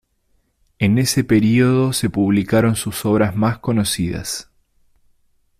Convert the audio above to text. En ese periodo se publicaron sus obras más conocidas.